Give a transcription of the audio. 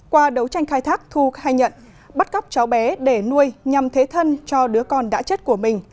qua đấu tranh khai thác thu khai nhận bắt cóc cháu bé để nuôi nhằm thế thân cho đứa con đã chết của mình